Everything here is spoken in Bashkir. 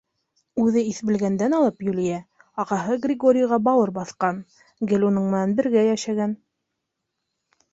Үҙе иҫ белгәндән алып, Юлия ағаһы Григорийға бауыр баҫҡан, гел уның менән бергә йәшәгән.